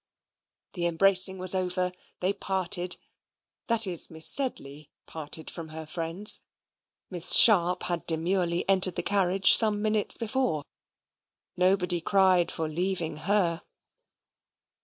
The embracing was over; they parted that is, Miss Sedley parted from her friends. Miss Sharp had demurely entered the carriage some minutes before. Nobody cried for leaving HER.